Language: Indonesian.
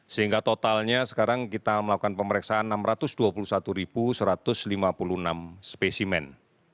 sehingga totalnya sekarang kita melakukan pemeriksaan enam ratus dua puluh satu satu ratus lima puluh enam spesimen